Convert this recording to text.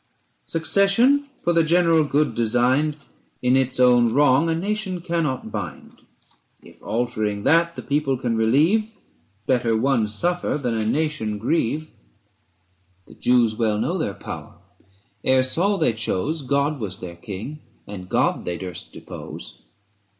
Succession, for the general good designed, In its own wrong a nation cannot bind: If altering that the people can relieve, 415 Better one suffer than a nation grieve. The Jews well know their power: ere Saul they chose God was their King, and God they durst depose.